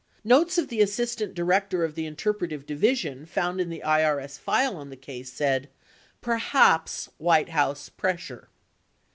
85 Notes of the As sistant Director of the Interpretive Division found in the IBS file on the case said, " perhaps White House pressure